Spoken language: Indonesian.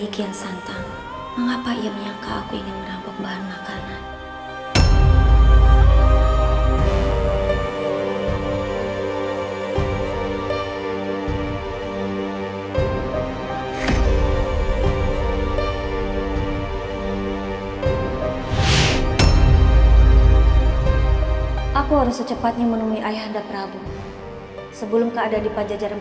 kembali ke dalam istana